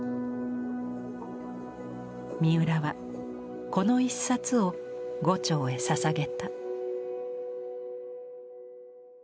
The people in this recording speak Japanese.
三浦はこの一冊を牛腸へ捧げた。